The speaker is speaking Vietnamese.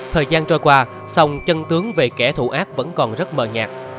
thời gian trôi qua sông chân tướng về kẻ thù ác vẫn còn rất mờ nhạt